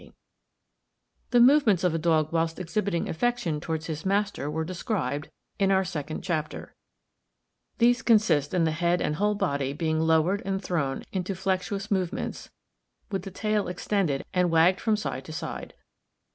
From life, by Mr. Wood. The movements of a dog whilst exhibiting affection towards his master were described (figs. 6 and 8) in our second chapter. These consist in the head and whole body being lowered and thrown into flexuous movements, with the tail extended and wagged from side to side.